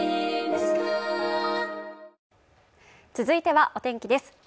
続いてはお天気です。